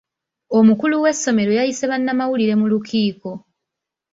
Omukulu w'essomero yayise bannamawulire mu lukiiko.